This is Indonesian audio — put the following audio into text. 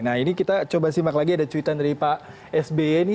nah ini kita coba simak lagi ada cuitan dari pak sby ini